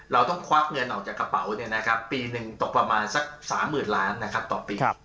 เราต้องควักเงินออกจากกระเป๋าปีหนึ่งตกประมาณสัก๓๐๐๐ล้านนะครับต่อปี